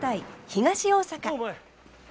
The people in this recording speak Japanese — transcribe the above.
東大阪。